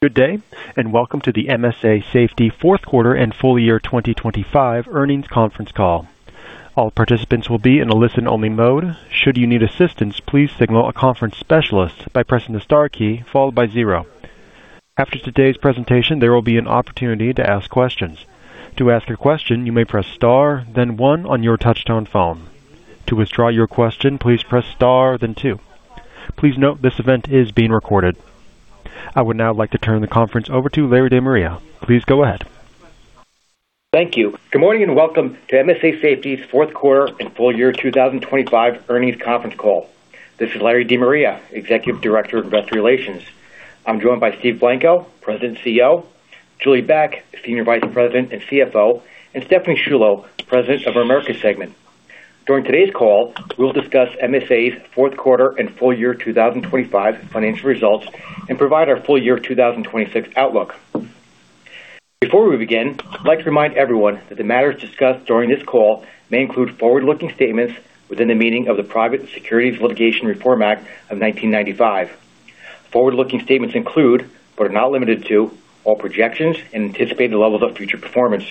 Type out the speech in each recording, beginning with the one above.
Good day, and welcome to the MSA Safety Fourth Quarter and Full Year 2025 Earnings Conference Call. All participants will be in a listen-only mode. Should you need assistance, please signal a conference specialist by pressing the star key followed by zero. After today's presentation, there will be an opportunity to ask questions. To ask a question, you may press star, then one on your touchtone phone. To withdraw your question, please press star, then two. Please note, this event is being recorded. I would now like to turn the conference over to Larry De Maria. Please go ahead. Thank you. Good morning, and welcome to MSA Safety's Fourth Quarter and Full Year 2025 Earnings Conference Call. This is Larry De Maria, Executive Director of Investor Relations. I'm joined by Steve Blanco, President and CEO, Julie Beck, Senior Vice President and CFO, and Stephanie Sciullo, President of our Americas segment. During today's call, we'll discuss MSA's fourth quarter and full year 2025 financial results and provide our full year 2026 outlook. Before we begin, I'd like to remind everyone that the matters discussed during this call may include forward-looking statements within the meaning of the Private Securities Litigation Reform Act of 1995. Forward-looking statements include, but are not limited to, all projections and anticipated levels of future performance.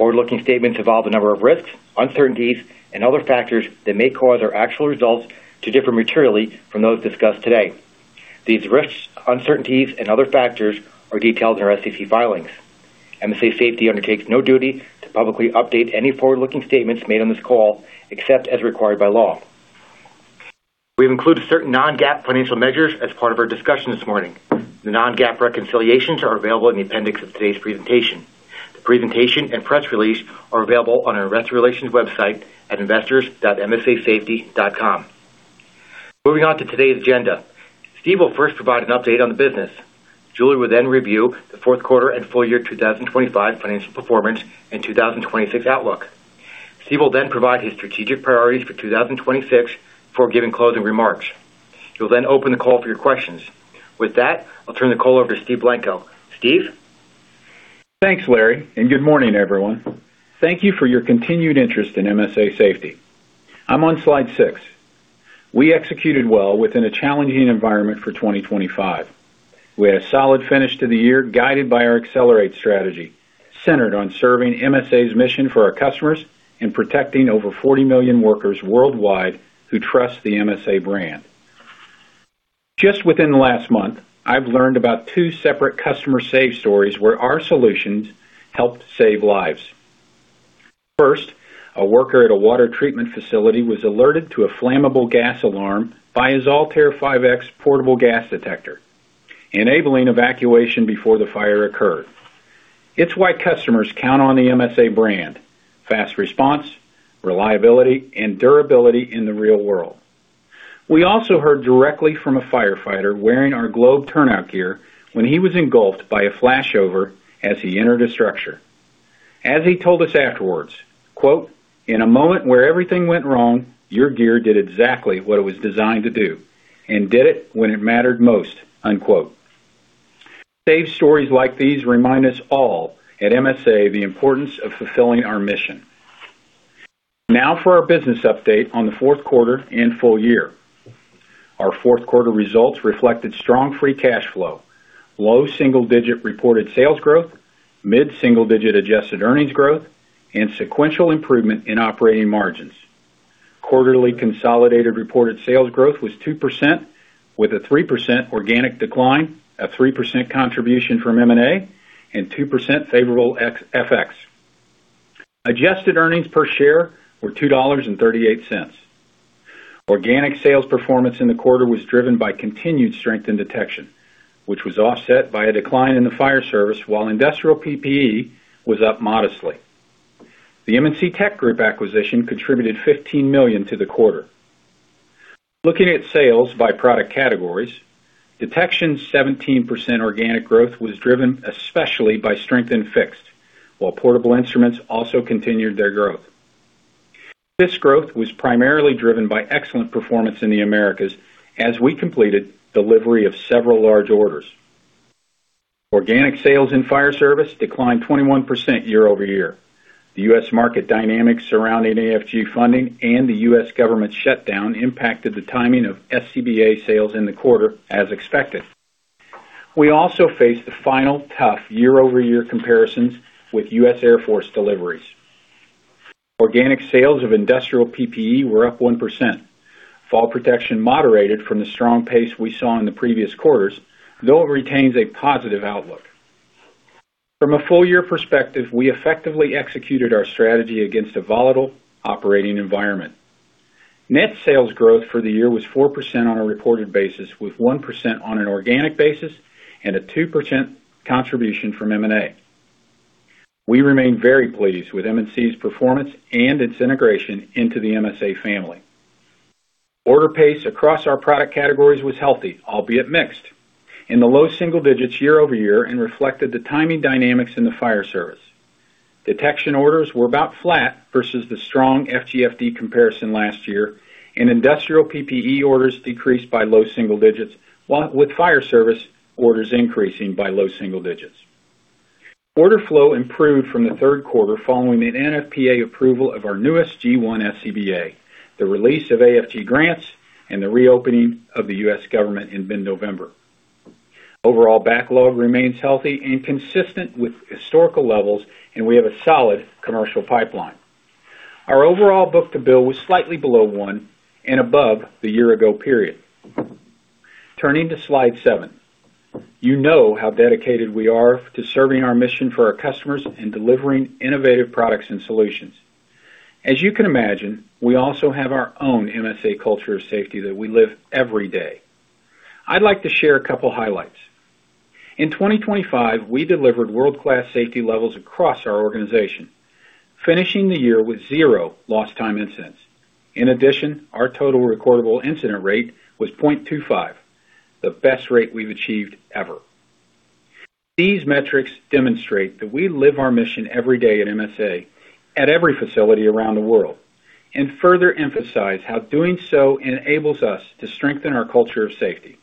Forward-looking statements involve a number of risks, uncertainties, and other factors that may cause our actual results to differ materially from those discussed today. These risks, uncertainties, and other factors are detailed in our SEC filings. MSA Safety undertakes no duty to publicly update any forward-looking statements made on this call, except as required by law. We've included certain non-GAAP financial measures as part of our discussion this morning. The non-GAAP reconciliations are available in the appendix of today's presentation. The presentation and press release are available on our Investor Relations website at investors.msasafety.com. Moving on to today's agenda. Steve will first provide an update on the business. Julie will then review the fourth quarter and full year 2025 financial performance and 2026 outlook. Steve will then provide his strategic priorities for 2026 before giving closing remarks. He'll then open the call for your questions. With that, I'll turn the call over to Steve Blanco. Steve? Thanks, Larry, and good morning, everyone. Thank you for your continued interest in MSA Safety. I'm on slide 6. We executed well within a challenging environment for 2025. We had a solid finish to the year, guided by our Accelerate strategy, centered on serving MSA's mission for our customers and protecting over 40 million workers worldwide who trust the MSA brand. Just within the last month, I've learned about 2 separate customer save stories where our solutions helped save lives. First, a worker at a water treatment facility was alerted to a flammable gas alarm by his ALTAIR 5X portable gas detector, enabling evacuation before the fire occurred. It's why customers count on the MSA brand: fast response, reliability, and durability in the real world. We also heard directly from a firefighter wearing our Globe turnout gear when he was engulfed by a flashover as he entered a structure. As he told us afterwards, quote, "In a moment where everything went wrong, your gear did exactly what it was designed to do and did it when it mattered most." Unquote. Such stories like these remind us all at MSA the importance of fulfilling our mission. Now for our business update on the fourth quarter and full year. Our fourth quarter results reflected strong free cash flow, low single-digit reported sales growth, mid-single-digit adjusted earnings growth, and sequential improvement in operating margins. Quarterly consolidated reported sales growth was 2%, with a 3% organic decline, a 3% contribution from M&A, and 2% favorable FX. Adjusted earnings per share were $2.38. Organic sales performance in the quarter was driven by continued strength in detection, which was offset by a decline in the fire service, while industrial PPE was up modestly. The M&C TechGroup acquisition contributed $15 million to the quarter. Looking at sales by product categories, detection 17% organic growth was driven especially by strength in fixed, while portable instruments also continued their growth. This growth was primarily driven by excellent performance in the Americas as we completed delivery of several large orders. Organic sales in fire service declined 21% year-over-year. The U.S. market dynamics surrounding AFG funding and the U.S. government shutdown impacted the timing of M&C sales in the quarter as expected. We also faced the final tough year-over-year comparisons with U.S. Air Force deliveries. Organic sales of industrial PPE were up 1%. Fall protection moderated from the strong pace we saw in the previous quarters, though it retains a positive outlook. From a full year perspective, we effectively executed our strategy against a volatile operating environment. Net sales growth for the year was 4% on a reported basis, with 1% on an organic basis and a 2% contribution from M&A. We remain very pleased with M&C's performance and its integration into the MSA family. Order pace across our product categories was healthy, albeit mixed, in the low single digits year-over-year and reflected the timing dynamics in the fire service. Detection orders were about flat versus the strong FGFD comparison last year, and industrial PPE orders decreased by low single digits, while with fire service orders increasing by low single digits....Order flow improved from the third quarter following the NFPA approval of our newest G1 SCBA, the release of AFG grants, and the reopening of the U.S. government in mid-November. Overall backlog remains healthy and consistent with historical levels, and we have a solid commercial pipeline. Our overall book-to-bill was slightly below 1 and above the year ago period. Turning to Slide 7. You know how dedicated we are to serving our mission for our customers and delivering innovative products and solutions. As you can imagine, we also have our own MSA culture of safety that we live every day. I'd like to share a couple highlights. In 2025, we delivered world-class safety levels across our organization, finishing the year with 0 lost-time incidents. In addition, our total recordable incident rate was 0.25, the best rate we've achieved ever. These metrics demonstrate that we live our mission every day at MSA, at every facility around the world, and further emphasize how doing so enables us to strengthen our culture of safety.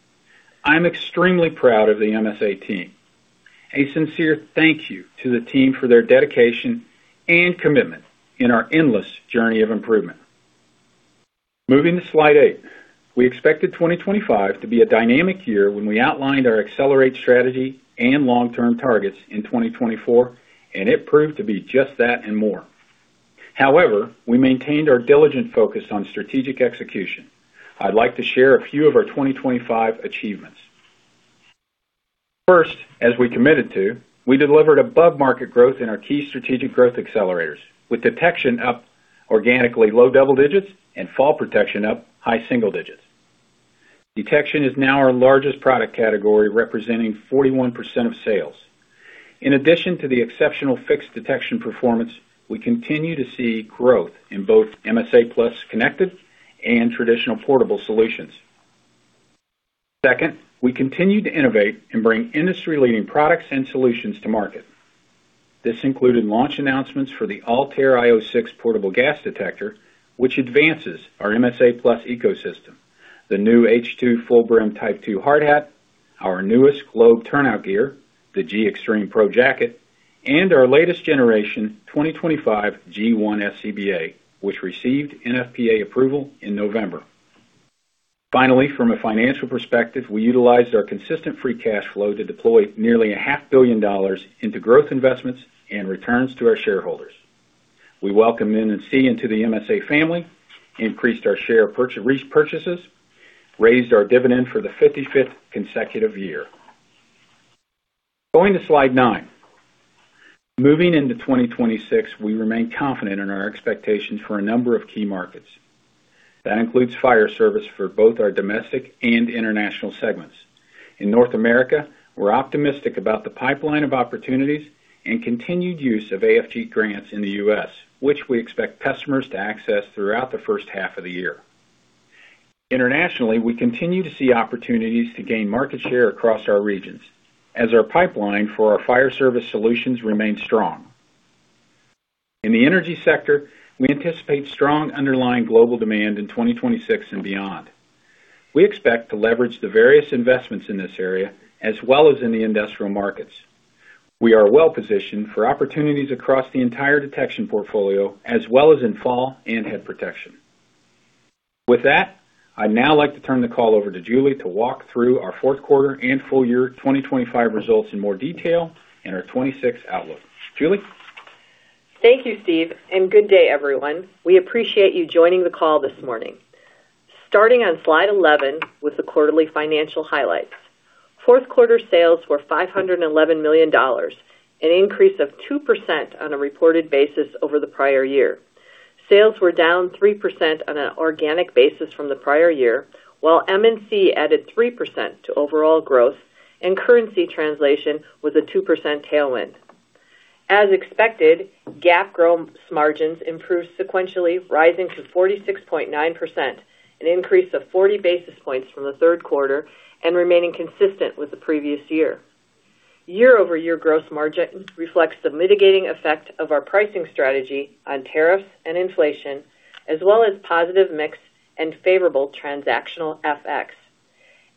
I'm extremely proud of the MSA team. A sincere thank you to the team for their dedication and commitment in our endless journey of improvement. Moving to Slide 8. We expected 2025 to be a dynamic year when we outlined our accelerate strategy and long-term targets in 2024, and it proved to be just that and more. However, we maintained our diligent focus on strategic execution. I'd like to share a few of our 2025 achievements. First, as we committed to, we delivered above-market growth in our key strategic growth accelerators, with detection up organically low double digits and fall protection up high single digits. Detection is now our largest product category, representing 41% of sales. In addition to the exceptional fixed detection performance, we continue to see growth in both MSA+ Connected and traditional portable solutions. Second, we continued to innovate and bring industry-leading products and solutions to market. This included launch announcements for the ALTAIR io 6 Portable Gas Detector, which advances our MSA+ ecosystem, the new H2 Full Brim Type II Hard Hat, our newest Globe turnout gear, the G-XTREME PRO Jacket, and our latest generation 2025 G1 SCBA, which received NFPA approval in November. Finally, from a financial perspective, we utilized our consistent free cash flow to deploy nearly $500 million into growth investments and returns to our shareholders. We welcomed M&C into the MSA family, increased our share repurchases, raised our dividend for the 55th consecutive year. Going to Slide 9. Moving into 2026, we remain confident in our expectations for a number of key markets. That includes fire service for both our domestic and international segments. In North America, we're optimistic about the pipeline of opportunities and continued use of AFG grants in the U.S., which we expect customers to access throughout the first half of the year. Internationally, we continue to see opportunities to gain market share across our regions as our pipeline for our fire service solutions remains strong. In the energy sector, we anticipate strong underlying global demand in 2026 and beyond. We expect to leverage the various investments in this area as well as in the industrial markets. We are well positioned for opportunities across the entire detection portfolio as well as in fall and head protection. With that, I'd now like to turn the call over to Julie to walk through our fourth quarter and full year 2025 results in more detail and our 2026 outlook. Julie? Thank you, Steve, and good day, everyone. We appreciate you joining the call this morning. Starting on Slide 11 with the quarterly financial highlights. Fourth quarter sales were $511 million, an increase of 2% on a reported basis over the prior year. Sales were down 3% on an organic basis from the prior year, while M&C added 3% to overall growth and currency translation was a 2% tailwind. As expected, GAAP gross margins improved sequentially, rising to 46.9%, an increase of 40 basis points from the third quarter and remaining consistent with the previous year. Year-over-year gross margin reflects the mitigating effect of our pricing strategy on tariffs and inflation, as well as positive mix and favorable transactional FX.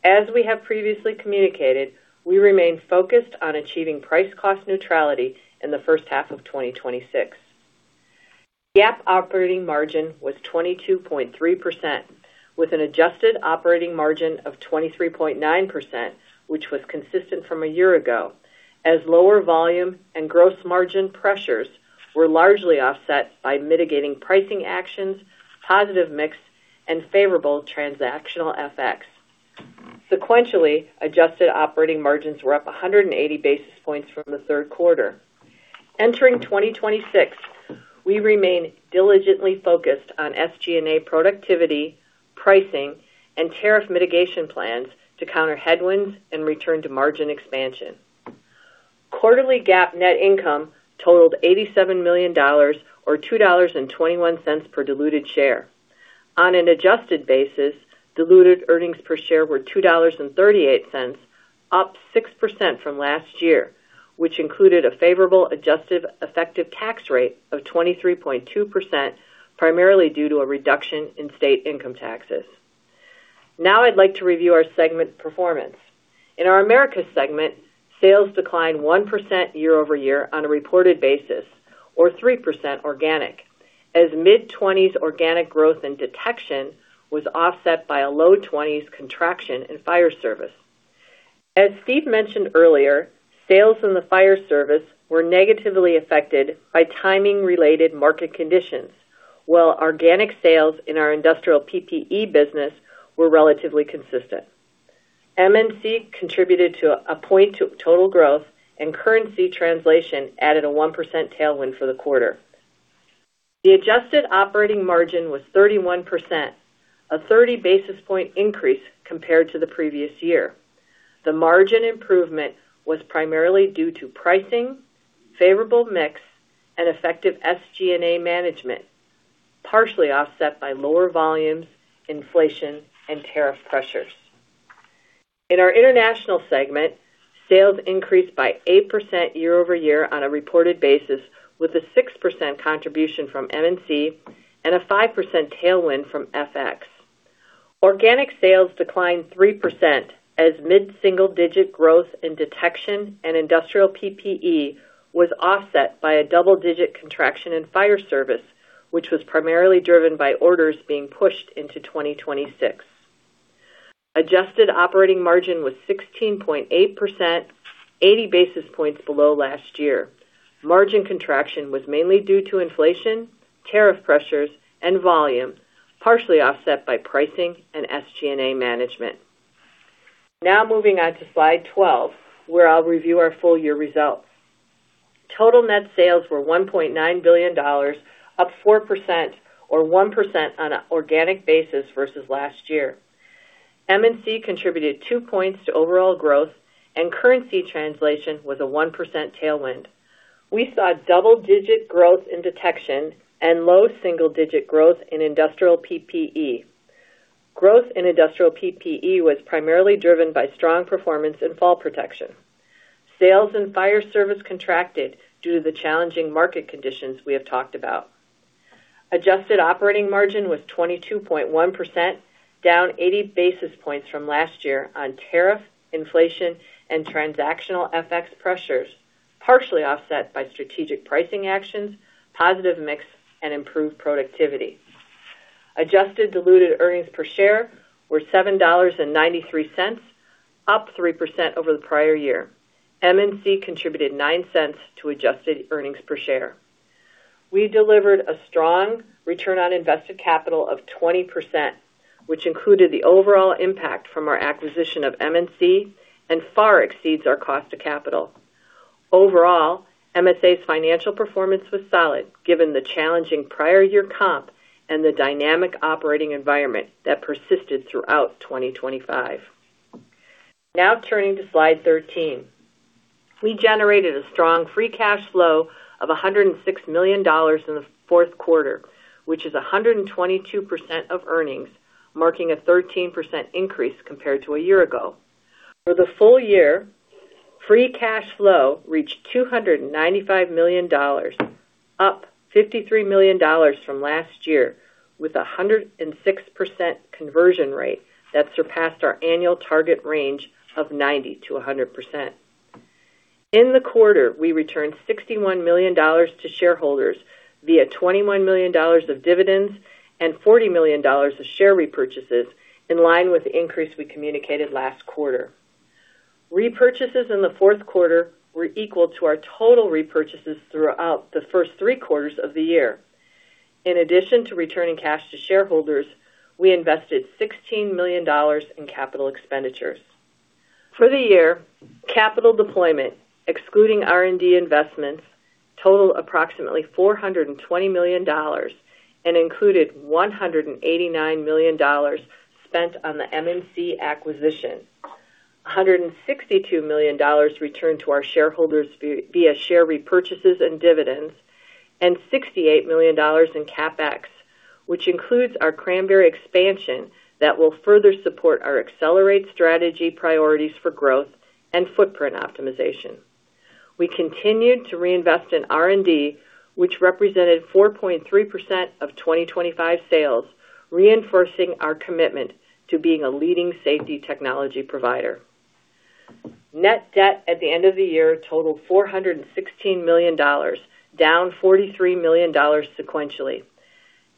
As we have previously communicated, we remain focused on achieving price-cost neutrality in the first half of 2026. GAAP operating margin was 22.3%, with an adjusted operating margin of 23.9%, which was consistent from a year ago, as lower volume and gross margin pressures were largely offset by mitigating pricing actions, positive mix, and favorable transactional FX. Sequentially, adjusted operating margins were up 180 basis points from the third quarter. Entering 2026, we remain diligently focused on SG&A productivity, pricing, and tariff mitigation plans to counter headwinds and return to margin expansion. Quarterly GAAP net income totaled $87 million, or $2.21 per diluted share. On an adjusted basis, diluted earnings per share were $2.38, up 6% from last year, which included a favorable adjusted effective tax rate of 23.2%, primarily due to a reduction in state income taxes. Now I'd like to review our segment performance. In our Americas segment, sales declined 1% year over year on a reported basis, or 3% organic, as mid-20s organic growth in detection was offset by a low 20s contraction in fire service. As Steve mentioned earlier, sales in the fire service were negatively affected by timing-related market conditions, while organic sales in our industrial PPE business were relatively consistent. M&C contributed 1 point to total growth, and currency translation added a 1% tailwind for the quarter. The adjusted operating margin was 31%, a 30 basis point increase compared to the previous year. The margin improvement was primarily due to pricing, favorable mix, and effective SG&A management, partially offset by lower volumes, inflation, and tariff pressures. In our international segment, sales increased by 8% year-over-year on a reported basis, with a 6% contribution from M&C and a 5% tailwind from FX. Organic sales declined 3% as mid-single-digit growth in detection and industrial PPE was offset by a double-digit contraction in fire service, which was primarily driven by orders being pushed into 2026. Adjusted operating margin was 16.8%, 80 basis points below last year. Margin contraction was mainly due to inflation, tariff pressures, and volume, partially offset by pricing and SG&A management. Now moving on to Slide 12, where I'll review our full-year results. Total net sales were $1.9 billion, up 4% or 1% on an organic basis versus last year. M&C contributed 2 points to overall growth, and currency translation was a 1% tailwind. We saw double-digit growth in detection and low single-digit growth in industrial PPE. Growth in industrial PPE was primarily driven by strong performance in fall protection. Sales and fire service contracted due to the challenging market conditions we have talked about. Adjusted operating margin was 22.1%, down 80 basis points from last year on tariff, inflation, and transactional FX pressures, partially offset by strategic pricing actions, positive mix, and improved productivity. Adjusted diluted earnings per share were $7.93, up 3% over the prior year. M&C contributed $0.09 to adjusted earnings per share. We delivered a strong return on invested capital of 20%, which included the overall impact from our acquisition of M&C and far exceeds our cost of capital. Overall, MSA's financial performance was solid, given the challenging prior year comp and the dynamic operating environment that persisted throughout 2025. Now turning to Slide 13. We generated a strong free cash flow of $106 million in the fourth quarter, which is 122% of earnings, marking a 13% increase compared to a year ago. For the full year, free cash flow reached $295 million, up $53 million from last year, with a 106% conversion rate that surpassed our annual target range of 90%-100%. In the quarter, we returned $61 million to shareholders via $21 million of dividends and $40 million of share repurchases, in line with the increase we communicated last quarter. Repurchases in the fourth quarter were equal to our total repurchases throughout the first three quarters of the year. In addition to returning cash to shareholders, we invested $16 million in capital expenditures. For the year, capital deployment, excluding R&D investments, totaled approximately $420 million and included $189 million spent on the M&C acquisition, $162 million returned to our shareholders via share repurchases and dividends, and $68 million in CapEx, which includes our Cranberry expansion that will further support our accelerate strategy priorities for growth and footprint optimization. We continued to reinvest in R&D, which represented 4.3% of 2025 sales, reinforcing our commitment to being a leading safety technology provider. Net debt at the end of the year totaled $416 million, down $43 million sequentially.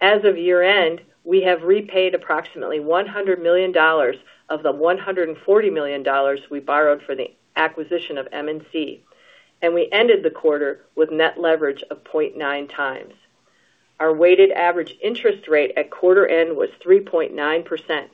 As of year-end, we have repaid approximately $100 million of the $140 million we borrowed for the acquisition of M&C, and we ended the quarter with net leverage of 0.9 times. Our weighted average interest rate at quarter end was 3.9%.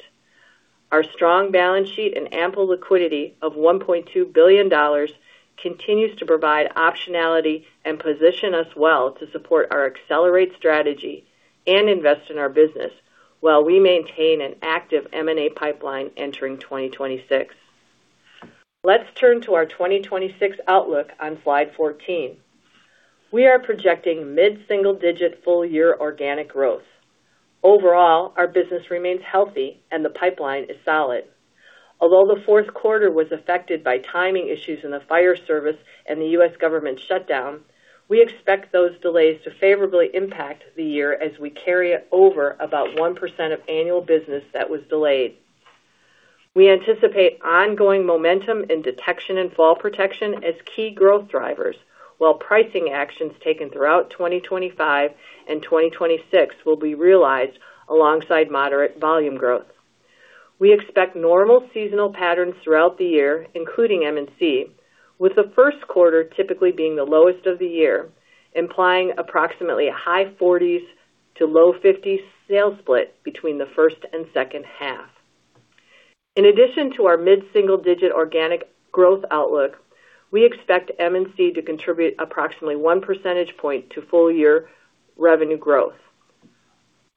Our strong balance sheet and ample liquidity of $1.2 billion continues to provide optionality and position us well to support our accelerate strategy and invest in our business, while we maintain an active M&A pipeline entering 2026. Let's turn to our 2026 outlook on Slide 14. We are projecting mid-single-digit full-year organic growth. Overall, our business remains healthy and the pipeline is solid. Although the fourth quarter was affected by timing issues in the fire service and the U.S. government shutdown, we expect those delays to favorably impact the year as we carry over about 1% of annual business that was delayed. We anticipate ongoing momentum in detection and fall protection as key growth drivers, while pricing actions taken throughout 2025 and 2026 will be realized alongside moderate volume growth. We expect normal seasonal patterns throughout the year, including M&C, with the first quarter typically being the lowest of the year, implying approximately a high 40s-low 50s sales split between the first and second half. In addition to our mid-single-digit organic growth outlook, we expect M&C to contribute approximately 1 percentage point to full year revenue growth.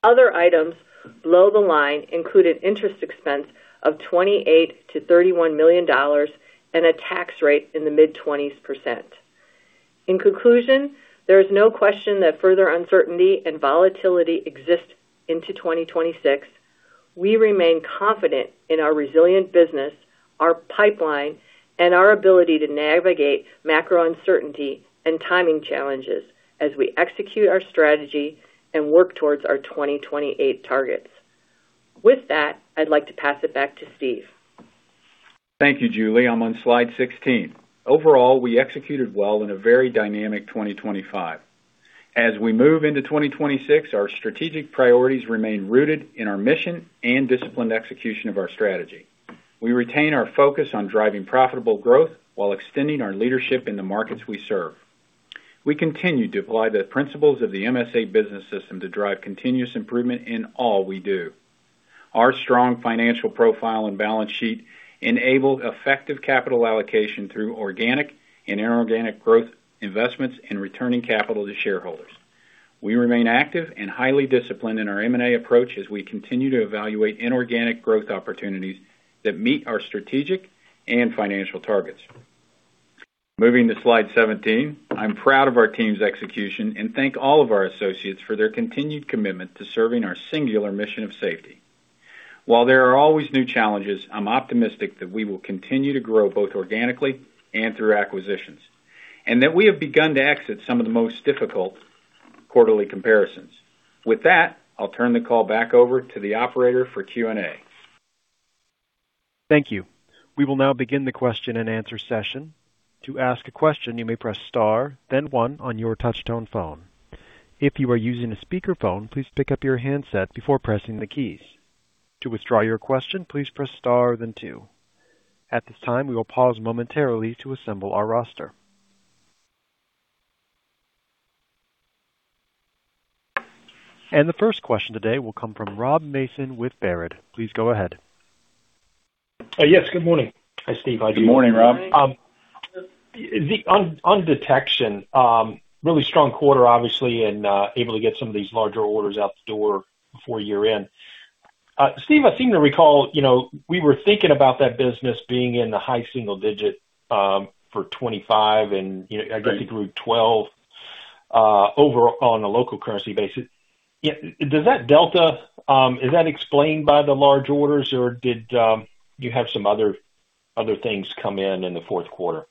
Other items below the line included interest expense of $28 million-$31 million and a tax rate in the mid-20s%. In conclusion, there is no question that further uncertainty and volatility exist into 2026. We remain confident in our resilient business, our pipeline, and our ability to navigate macro uncertainty and timing challenges as we execute our strategy and work towards our 2028 targets. With that, I'd like to pass it back to Steve. Thank you, Julie. I'm on slide 16. Overall, we executed well in a very dynamic 2025. As we move into 2026, our strategic priorities remain rooted in our mission and disciplined execution of our strategy. We retain our focus on driving profitable growth while extending our leadership in the markets we serve. We continue to apply the principles of the MSA Business System to drive continuous improvement in all we do. Our strong financial profile and balance sheet enable effective capital allocation through organic and inorganic growth investments in returning capital to shareholders. We remain active and highly disciplined in our M&A approach as we continue to evaluate inorganic growth opportunities that meet our strategic and financial targets. Moving to slide 17. I'm proud of our team's execution and thank all of our associates for their continued commitment to serving our singular mission of safety. While there are always new challenges, I'm optimistic that we will continue to grow both organically and through acquisitions, and that we have begun to exit some of the most difficult quarterly comparisons. With that, I'll turn the call back over to the operator for Q&A. Thank you. We will now begin the question and answer session. To ask a question, you may press star, then one on your touchtone phone. If you are using a speakerphone, please pick up your handset before pressing the keys. To withdraw your question, please press star then two. At this time, we will pause momentarily to assemble our roster. The first question today will come from Rob Mason with Baird. Please go ahead. Yes, good morning. Hi, Steve. Good morning, Rob. On detection, really strong quarter, obviously, and able to get some of these larger orders out the door before year-end. Steve, I seem to recall, you know, we were thinking about that business being in the high single digit for 25, and, you know, I guess it grew 12 over on a local currency basis. Yeah. Does that delta, is that explained by the large orders, or did you have some other things come in in the fourth quarter?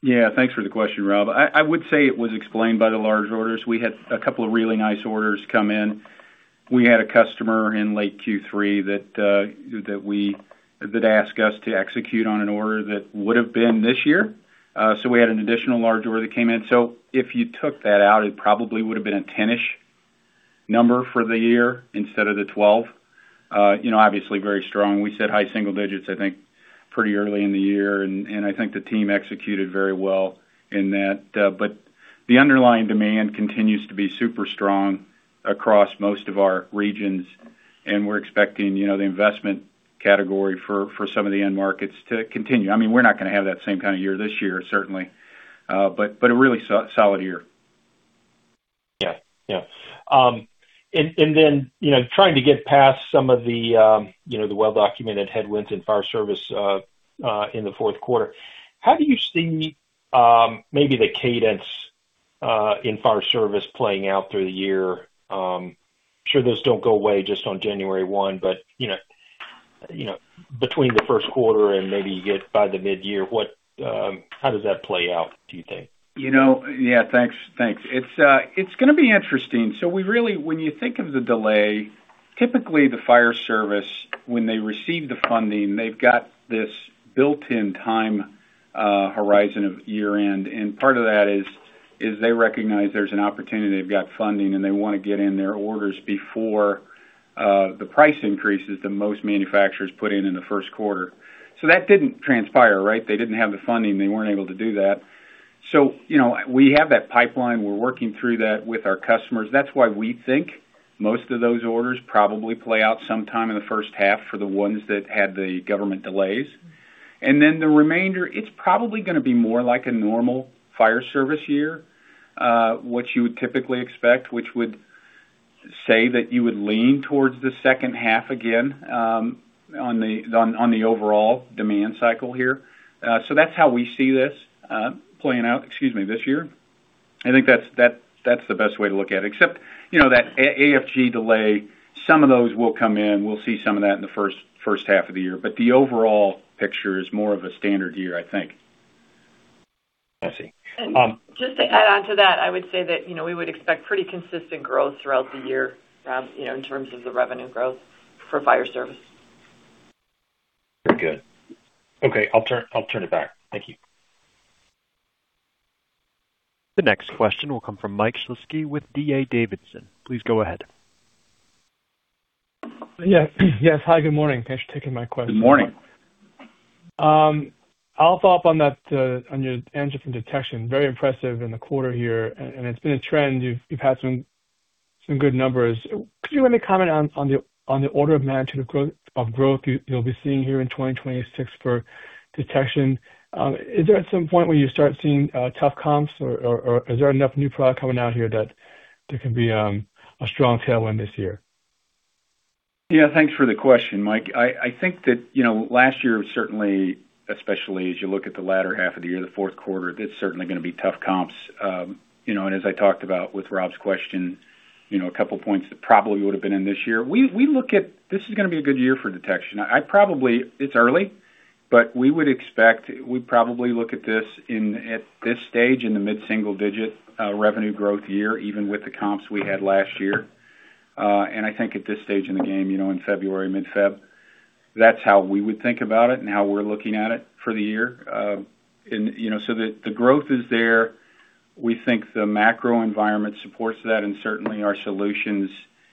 Yeah, thanks for the question, Rob. I would say it was explained by the large orders. We had a couple of really nice orders come in. We had a customer in late Q3 that we asked us to execute on an order that would have been this year. So we had an additional large order that came in. So if you took that out, it probably would have been a 10-ish number for the year instead of the 12. You know, obviously very strong. We said high single digits, I think, pretty early in the year, and I think the team executed very well in that. But the underlying demand continues to be super strong across most of our regions, and we're expecting, you know, the investment category for some of the end markets to continue. I mean, we're not going to have that same kind of year this year, certainly, but a really so solid year. Yeah. Yeah. And then, you know, trying to get past some of the, you know, the well-documented headwinds in fire service in the fourth quarter, how do you see maybe the cadence in fire service playing out through the year? I'm sure those don't go away just on January one, but, you know, you know, between the first quarter and maybe you get by the mid-year, what, how does that play out, do you think? You know? Yeah. Thanks. Thanks. It's going to be interesting. So we really—when you think of the delay, typically the fire service, when they receive the funding, they've got this built-in time horizon of year-end, and part of that is they recognize there's an opportunity. They've got funding, and they want to get in their orders before the price increases that most manufacturers put in in the first quarter. So that didn't transpire, right? They didn't have the funding. They weren't able to do that. So, you know, we have that pipeline. We're working through that with our customers. That's why we think most of those orders probably play out sometime in the first half for the ones that had the government delays. And then the remainder, it's probably going to be more like a normal fire service year, what you would typically expect, which would say that you would lean towards the second half again, on the overall demand cycle here. So that's how we see this playing out, excuse me, this year. I think that's the best way to look at it, except, you know, that AFG delay, some of those will come in. We'll see some of that in the first half of the year. But the overall picture is more of a standard year, I think. I see. Just to add on to that, I would say that, you know, we would expect pretty consistent growth throughout the year, you know, in terms of the revenue growth for fire service. Very good. Okay, I'll turn it back. Thank you. The next question will come from Mike Shlisky with D.A. Davidson. Please go ahead. Yeah. Yes, hi, good morning. Thanks for taking my question. Good morning. I'll follow up on that, on your end in detection. Very impressive in the quarter here, and it's been a trend. You've had some good numbers. Could you maybe comment on the order of magnitude of growth you'll be seeing here in 2026 for detection? Is there at some point where you start seeing tough comps, or is there enough new product coming out here that there can be a strong tailwind this year? Yeah, thanks for the question, Mike. I think that, you know, last year, certainly, especially as you look at the latter half of the year, the fourth quarter, it's certainly going to be tough comps. You know, and as I talked about with Rob's question, you know, a couple of points that probably would have been in this year. We look at—this is gonna be a good year for detection. I probably... It's early, but we would expect, we'd probably look at this in, at this stage, in the mid-single digit revenue growth year, even with the comps we had last year. And I think at this stage in the game, you know, in February, mid-Feb, that's how we would think about it and how we're looking at it for the year. And, you know, so the, the growth is there. We think the macro environment supports that, and certainly our solutions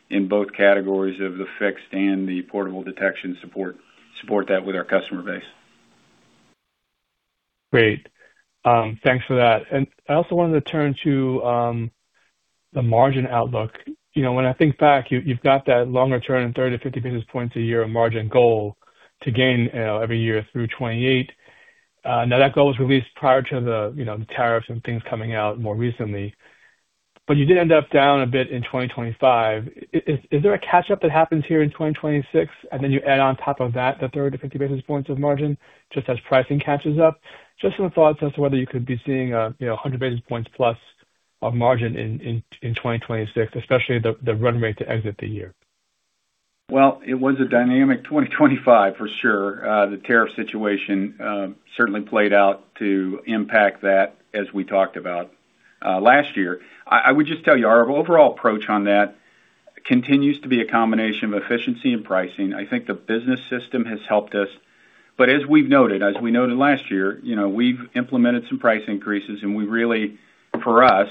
in both categories of the fixed and the portable detection support that with our customer base. Great. Thanks for that. And I also wanted to turn to the margin outlook. You know, when I think back, you, you've got that longer-term, 30-50 basis points a year margin goal to gain, every year through 2028. Now, that goal was released prior to the, you know, the tariffs and things coming out more recently. But you did end up down a bit in 2025. Is there a catch-up that happens here in 2026, and then you add on top of that, the 30-50 basis points of margin, just as pricing catches up? Just some thoughts as to whether you could be seeing, you know, 100 basis points+ of margin in 2026, especially the run rate to exit the year. Well, it was a dynamic 2025, for sure. The tariff situation certainly played out to impact that as we talked about last year. I would just tell you, our overall approach on that continues to be a combination of efficiency and pricing. I think the business system has helped us. But as we've noted, as we noted last year, you know, we've implemented some price increases, and we really, for us,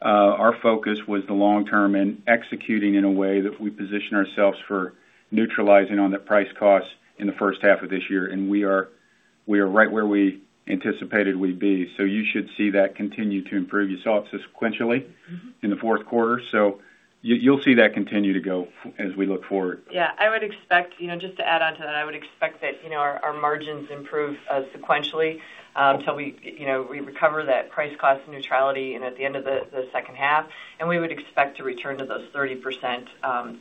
our focus was the long term and executing in a way that we position ourselves for neutralizing on the price-costs in the first half of this year. And we are, we are right where we anticipated we'd be. So you should see that continue to improve. You saw it sequentially in the fourth quarter, so you'll see that continue to go as we look forward. Yeah, I would expect, you know, just to add on to that, I would expect that, you know, our margins improve sequentially, so we, you know, we recover that price-cost neutrality and at the end of the second half, and we would expect to return to those 30%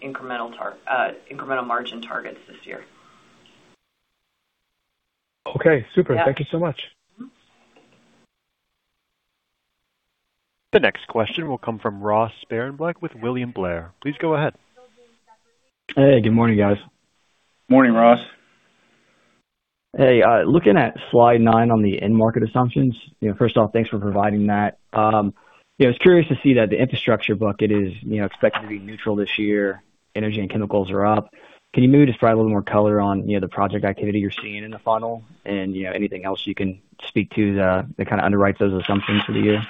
incremental margin targets this year. Okay, super. Yeah. Thank you so much. The next question will come from Ross Sparenblek with William Blair. Please go ahead. Hey, good morning, guys. Morning, Ross. Looking at slide nine on the end market assumptions, you know, first off, thanks for providing that. You know, I was curious to see that the infrastructure bucket is, you know, expected to be neutral this year. Energy and chemicals are up. Can you maybe just provide a little more color on, you know, the project activity you're seeing in the funnel and, you know, anything else you can speak to the, that kind of underwrite those assumptions for the year?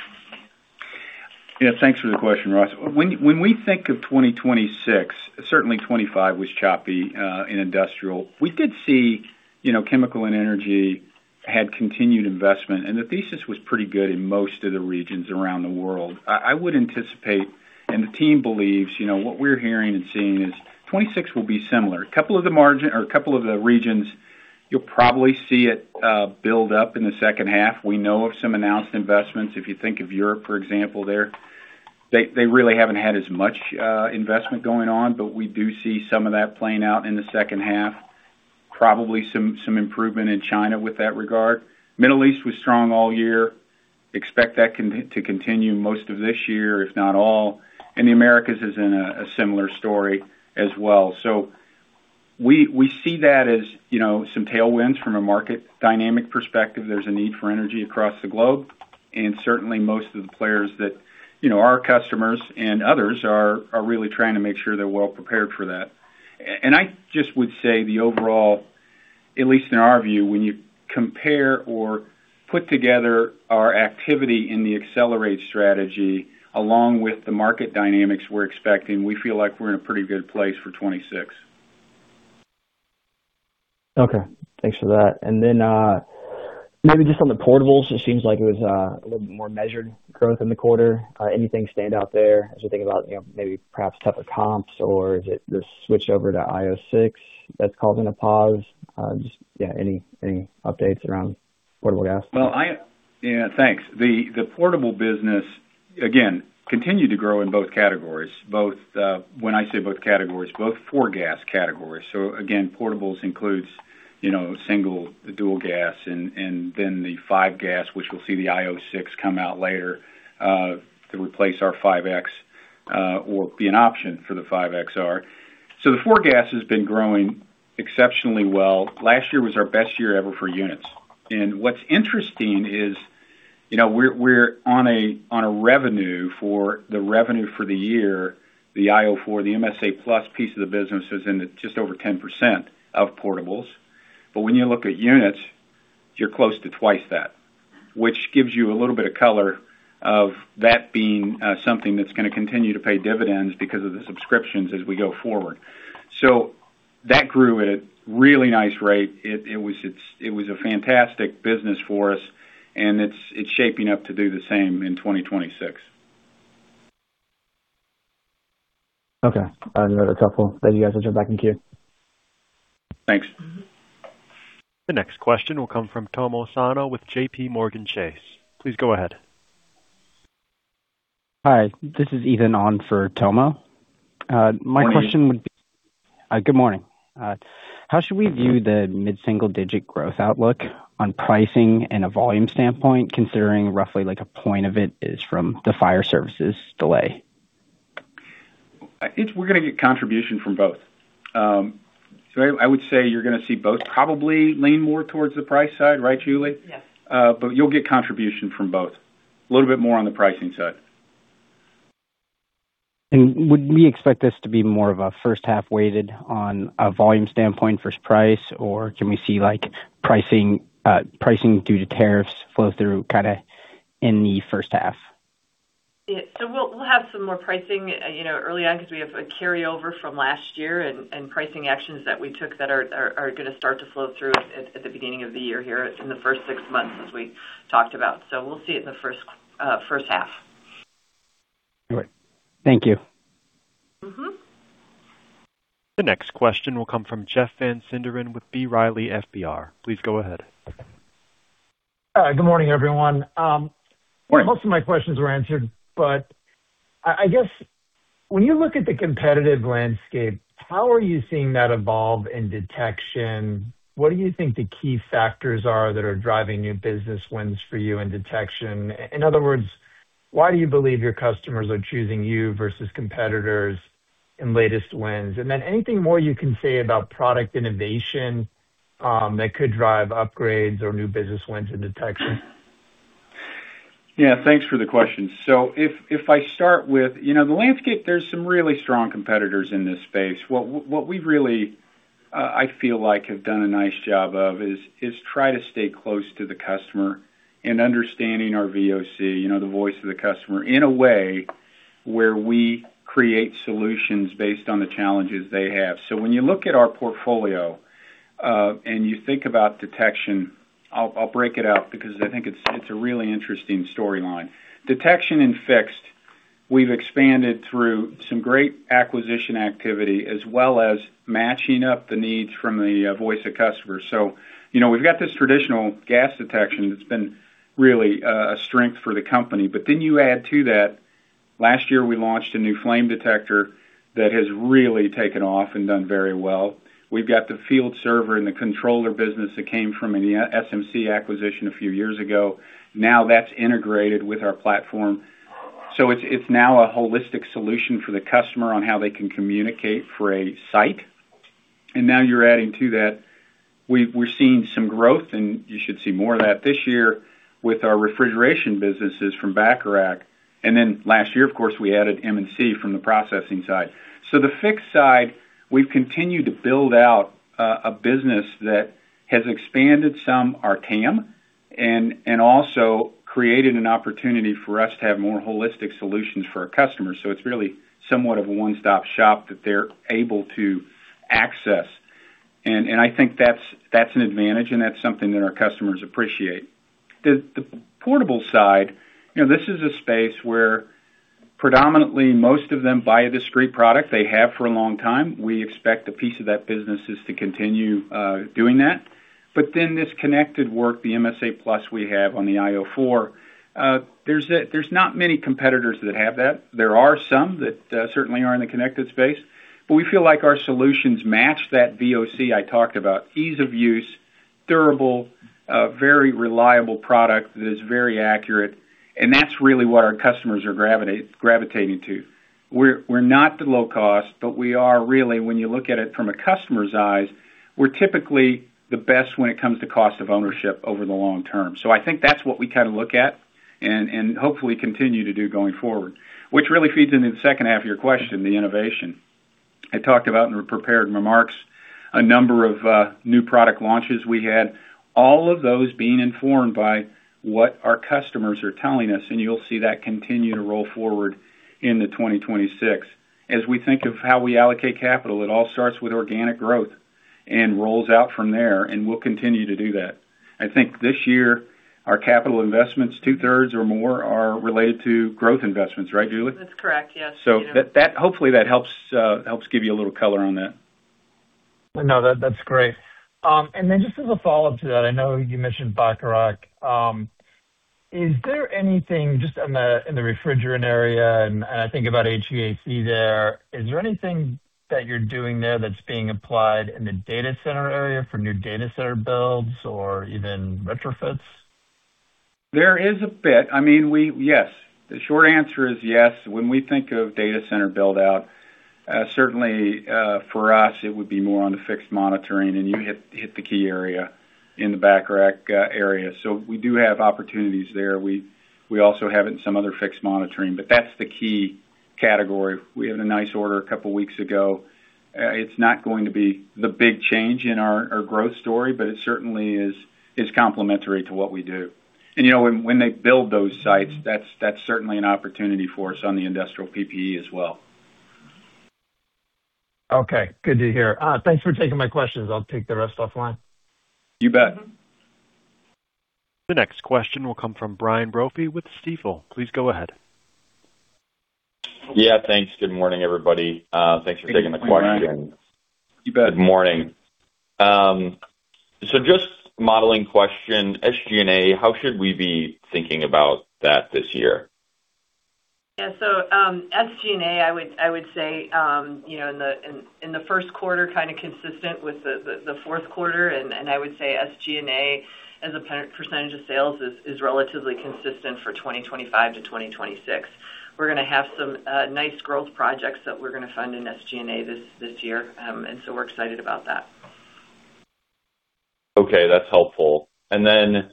Yeah, thanks for the question, Ross. When we think of 2026, certainly 2025 was choppy in industrial. We did see, you know, chemical and energy had continued investment, and the thesis was pretty good in most of the regions around the world. I would anticipate, and the team believes, you know, what we're hearing and seeing is 2026 will be similar. A couple of the margin or a couple of the regions, you'll probably see it build up in the second half. We know of some announced investments. If you think of Europe, for example, they really haven't had as much investment going on, but we do see some of that playing out in the second half. Probably some improvement in China with that regard. Middle East was strong all year. Expect that to continue most of this year, if not all. The Americas is in a similar story as well. So we see that as, you know, some tailwinds from a market dynamic perspective. There's a need for energy across the globe, and certainly most of the players that, you know, our customers and others are really trying to make sure they're well prepared for that. And I just would say the overall, at least in our view, when you compare or put together our activity in the Accelerate strategy, along with the market dynamics we're expecting, we feel like we're in a pretty good place for 2026. Okay, thanks for that. Maybe just on the portables, it seems like it was a little bit more measured growth in the quarter. Anything stand out there as you think about, you know, maybe perhaps tougher comps, or is it the switchover to io 6 that's causing a pause? Just, yeah, any updates around portable gas? Well, yeah, thanks. The portable business, again, continued to grow in both categories, both when I say both categories, both four gas categories. So again, portables includes, you know, single, dual gas, and then the five gas, which we'll see the iO 6 come out later to replace our 5X or be an option for the ALTAIR 4XR. So the four gas has been growing exceptionally well. Last year was our best year ever for units. And what's interesting is, you know, we're on a revenue for the year, the io 4, the MSA+ piece of the business is in just over 10% of portables. But when you look at units, you're close to twice that, which gives you a little bit of color of that being something that's gonna continue to pay dividends because of the subscriptions as we go forward. So that grew at a really nice rate. It was a fantastic business for us, and it's shaping up to do the same in 2026. Okay, that's helpful. Thank you guys. I'll turn back in queue. Thanks. The next question will come from Tomo Sano with JP Morgan Chase. Please go ahead. Hi, this is Ethan on for Tomo. My question would be- Morning. Good morning. How should we view the mid-single digit growth outlook on pricing and a volume standpoint, considering roughly like a point of it is from the fire services delay? I think we're gonna get contribution from both. So I would say you're gonna see both probably lean more towards the price side, right, Julie? Yes. But you'll get contribution from both. A little bit more on the pricing side. Would we expect this to be more of a first half weighted on a volume standpoint versus price? Or can we see like pricing, pricing due to tariffs flow through, kinda, in the first half? Yeah. So we'll have some more pricing, you know, early on because we have a carryover from last year and pricing actions that we took that are gonna start to flow through at the beginning of the year here in the first six months, as we talked about. So we'll see it in the first half. All right. Thank you. Mm-hmm. The next question will come from Jeff Van Sinderen with B. Riley FBR. Please go ahead. Good morning, everyone. Most of my questions were answered, but I guess when you look at the competitive landscape, how are you seeing that evolve in detection? What do you think the key factors are that are driving new business wins for you in detection? In other words, why do you believe your customers are choosing you versus competitors in latest wins? And then anything more you can say about product innovation, that could drive upgrades or new business wins in detection? Yeah, thanks for the question. So if I start with... You know, the landscape, there's some really strong competitors in this space. What we really I feel like have done a nice job of is try to stay close to the customer and understanding our VOC, you know, the voice of the customer, in a way where we create solutions based on the challenges they have. So when you look at our portfolio and you think about detection, I'll break it out because I think it's a really interesting storyline. Detection and fixed, we've expanded through some great acquisition activity, as well as matching up the needs from the voice of customers. So, you know, we've got this traditional gas detection that's been really a strength for the company. But then you add to that, last year, we launched a new flame detector that has really taken off and done very well. We've got the FieldServer and the controller business that came from the SMC acquisition a few years ago. Now, that's integrated with our platform. So it's now a holistic solution for the customer on how they can communicate for a site. And now you're adding to that, we're seeing some growth, and you should see more of that this year with our refrigeration businesses from Bacharach. And then last year, of course, we added M&C from the processing side. So the fixed side, we've continued to build out a business that has expanded some our TAM, and also created an opportunity for us to have more holistic solutions for our customers. So it's really somewhat of a one-stop shop that they're able to access, and I think that's an advantage, and that's something that our customers appreciate. The portable side, you know, this is a space where predominantly most of them buy a discrete product. They have for a long time. We expect the piece of that business is to continue doing that. But then this connected work, the MSA+ we have on the iO 4, there's not many competitors that have that. There are some that certainly are in the connected space, but we feel like our solutions match that VOC I talked about: ease of use, durable, very reliable product that is very accurate, and that's really what our customers are gravitating to. We're, we're not the low cost, but we are really, when you look at it from a customer's eyes, we're typically the best when it comes to cost of ownership over the long term. So I think that's what we kind of look at and, and hopefully continue to do going forward, which really feeds into the second half of your question, the innovation. I talked about in the prepared remarks, a number of new product launches we had, all of those being informed by what our customers are telling us, and you'll see that continue to roll forward into 2026. As we think of how we allocate capital, it all starts with organic growth and rolls out from there, and we'll continue to do that. I think this year, our capital investments, two-thirds or more, are related to growth investments. Right, Julie? That's correct, yes. So that, that hopefully, that helps, helps give you a little color on that. No, that, that's great. And then just as a follow-up to that, I know you mentioned Bacharach. Is there anything just in the refrigerant area, and I think about HVAC there? Is there anything that you're doing there that's being applied in the data center area for new data center builds or even retrofits? ...There is a bit. I mean, we yes, the short answer is yes. When we think of data center build-out, certainly, for us, it would be more on the fixed monitoring, and you hit the key area in the Bacharach area. So we do have opportunities there. We also have it in some other fixed monitoring, but that's the key category. We had a nice order a couple of weeks ago. It's not going to be the big change in our growth story, but it certainly is complementary to what we do. And, you know, when they build those sites, that's certainly an opportunity for us on the industrial PPE as well. Okay, good to hear. Thanks for taking my questions. I'll take the rest offline. You bet. The next question will come from Brian Brophy with Stifel. Please go ahead. Yeah, thanks. Good morning, everybody. Thanks for taking the question. You bet. Good morning. So just modeling question. SG&A, how should we be thinking about that this year? Yeah, so, SG&A, I would say, you know, in the first quarter, kind of consistent with the fourth quarter, and I would say SG&A, as a percentage of sales, is relatively consistent for 2025-2026. We're gonna have some nice growth projects that we're gonna fund in SG&A this year, and so we're excited about that. Okay, that's helpful. And then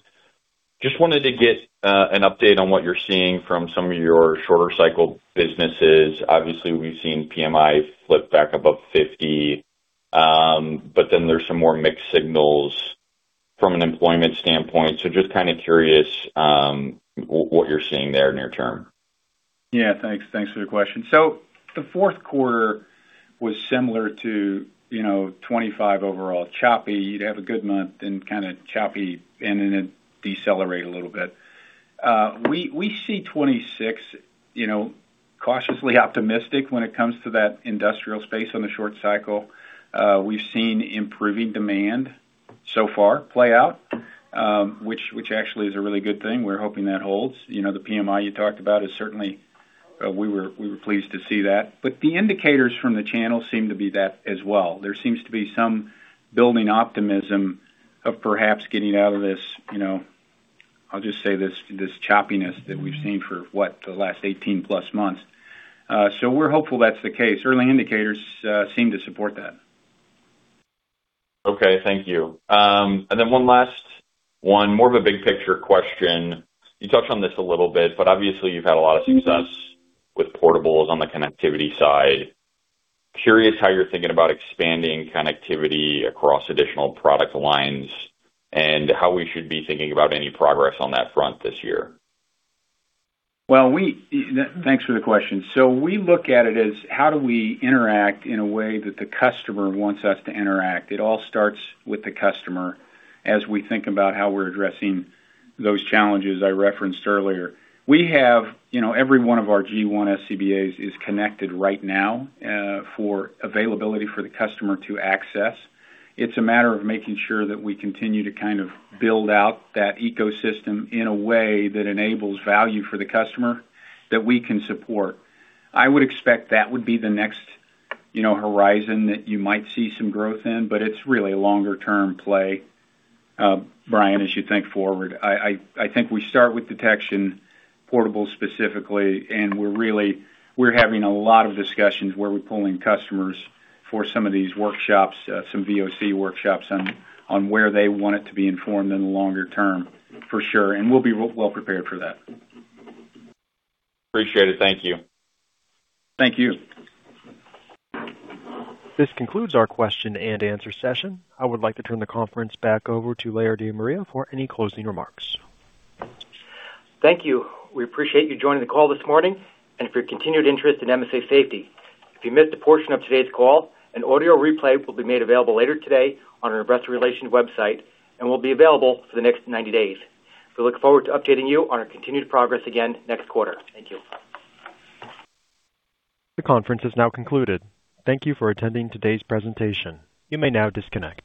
just wanted to get an update on what you're seeing from some of your shorter cycle businesses. Obviously, we've seen PMI flip back above 50, but then there's some more mixed signals from an employment standpoint. So just kind of curious, what you're seeing there near term? Yeah, thanks. Thanks for the question. So the fourth quarter was similar to, you know, 25 overall. Choppy. You'd have a good month, then kind of choppy, and then it'd decelerate a little bit. We see 26, you know, cautiously optimistic when it comes to that industrial space on the short cycle. We've seen improving demand so far play out, which actually is a really good thing. We're hoping that holds. You know, the PMI you talked about is certainly we were pleased to see that. But the indicators from the channel seem to be that as well. There seems to be some building optimism of perhaps getting out of this, you know, I'll just say, this choppiness that we've seen for what? The last 18+ months. So we're hopeful that's the case. Early indicators seem to support that. Okay, thank you. And then one last one, more of a big picture question. You touched on this a little bit, but obviously you've had a lot of success with portables on the connectivity side. Curious how you're thinking about expanding connectivity across additional product lines, and how we should be thinking about any progress on that front this year? Well, thanks for the question. So we look at it as, how do we interact in a way that the customer wants us to interact? It all starts with the customer as we think about how we're addressing those challenges I referenced earlier. We have, you know, every one of our G1 SCBA is connected right now, for availability for the customer to access. It's a matter of making sure that we continue to kind of build out that ecosystem in a way that enables value for the customer that we can support. I would expect that would be the next, you know, horizon that you might see some growth in, but it's really a longer-term play, Brian, as you think forward. I think we start with detection, portable specifically, and we're really having a lot of discussions where we pull in customers for some of these workshops, some VOC workshops on where they want it to be informed in the longer term, for sure, and we'll be well prepared for that. Appreciate it. Thank you. Thank you. This concludes our question and answer session. I would like to turn the conference back over to Larry De Maria for any closing remarks. Thank you. We appreciate you joining the call this morning and for your continued interest in MSA Safety. If you missed a portion of today's call, an audio replay will be made available later today on our investor relations website and will be available for the next 90 days. We look forward to updating you on our continued progress again next quarter. Thank you. The conference is now concluded. Thank you for attending today's presentation. You may now disconnect.